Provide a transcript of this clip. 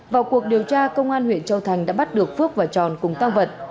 vào cuộc điều tra công an huyện châu thành đã bắt được phước và tròn cùng tăng vật